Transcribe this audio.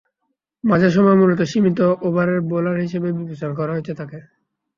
মাঝের সময়ে মূলত সীমিত ওভারের বোলার হিসেবেই বিবেচনা করা হয়েছে তাঁকে।